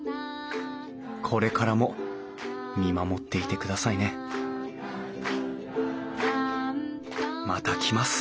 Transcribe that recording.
これからも見守っていてくださいねまた来ます